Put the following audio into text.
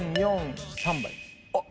あっ！